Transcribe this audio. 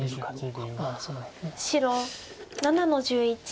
白７の十一。